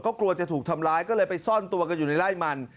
ก็กลัวจะถูกทำร้ายก็เลยไปซ่อนตัวกันอยู่ในไล่มัน